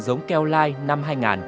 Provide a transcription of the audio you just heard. giống keo lai năm hai nghìn